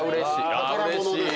あうれしい。